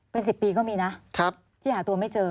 เป็น๑๐ปีก็มีนะที่หาตัวไม่เจอ